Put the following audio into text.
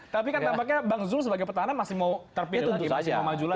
tapi kan tampaknya bang zul sebagai petahana masih mau terpilih untuk mau maju lagi